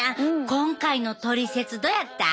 今回のトリセツどやった？